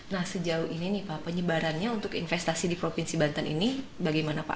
nah sejauh ini nih pak penyebarannya untuk investasi di provinsi banten ini bagaimana pak